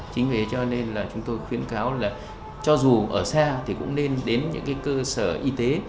chính vì cho nên là chúng tôi khuyến cáo là cho dù ở xa thì cũng nên đến những cơ sở y tế